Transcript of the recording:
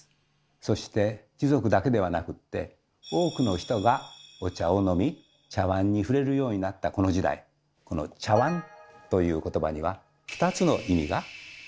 そして貴族だけではなくって多くの人がお茶を飲み茶わんに触れるようになったこの時代この「茶わん」という言葉には２つの意味が存在していたんです。